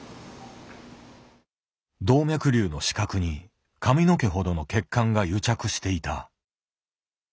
動脈瘤の死角に髪の毛ほどの血管が癒着していた。